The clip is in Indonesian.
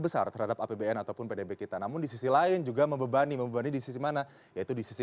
besar terhadap apbn ataupun pdb kita namun di sisi lain juga membebani membebani di sisi mana yaitu di sisi